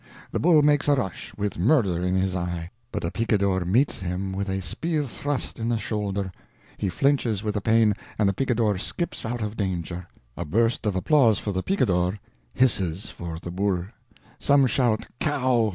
"The bull makes a rush, with murder in his eye, but a picador meets him with a spear thrust in the shoulder. He flinches with the pain, and the picador skips out of danger. A burst of applause for the picador, hisses for the bull. Some shout 'Cow!